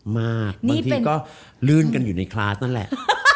มากบางทีก็ลื่นกันอยู่ในคลาสนั่นแหละ